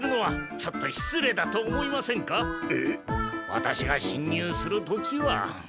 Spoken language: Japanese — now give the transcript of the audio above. ワタシがしん入する時は。